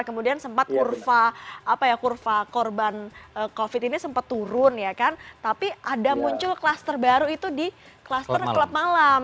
kemudian sempat kurva apa ya kurva korban covid ini sempat turun ya kan tapi ada muncul klaster baru itu di kluster klub malam